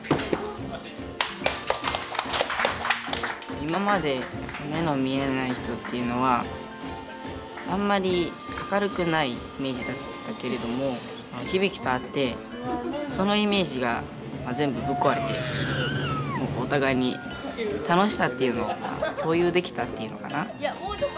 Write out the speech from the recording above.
今まで目の見えない人っていうのはあんまり明るくないイメージだったけれどもひびきと会ってそのイメージが全部ぶっ壊れてもうお互いに楽しさっていうのが共有できたっていうのかな。